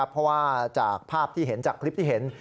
เพราะว่าจากภาพที่เห็นจากคลิปที่เห็น